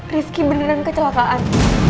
rief beneran kecelakaan